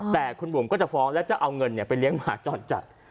แต่คุณบุ๋มก็จะฟ้องแล้วจะเอาเงินไปเลี้ยงหมาจรจัด